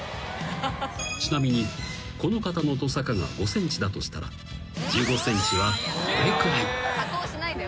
［ちなみにこの方のトサカが５ｃｍだとしたら１５ｃｍはこれくらい］